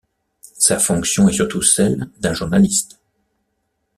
Sa fonction est surtout celle d’un journaliste.